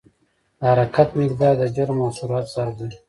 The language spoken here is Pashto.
د حرکت مقدار د جرم او سرعت ضرب دی.